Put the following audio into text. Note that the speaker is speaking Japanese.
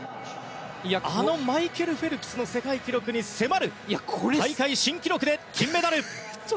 あのマイケル・フェルプスの世界記録に迫る大会新記録で金メダル。